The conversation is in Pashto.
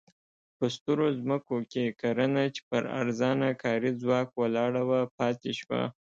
په سترو ځمکو کې کرنه چې پر ارزانه کاري ځواک ولاړه وه پاتې شوه.